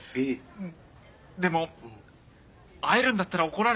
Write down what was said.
うん。